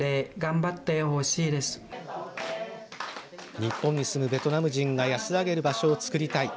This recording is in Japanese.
日本に住むベトナム人が安らげる場所を作りたい。